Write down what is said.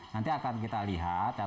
nanti akan kita lihat